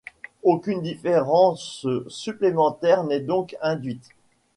Aucune différence supplémentaire n'est donc induite.